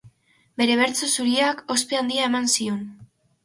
Bere bertso zuriak ospe handia eman zion.